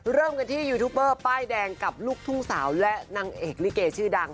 เริ่มกันที่ยูทูบเบอร์ป้ายแดงกับลูกทุ่งสาวและนางเอกลิเกชื่อดัง